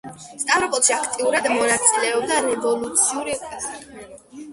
სტავროპოლში აქტიურად მონაწილეობდა რევოლუციურ საქმიანობაში.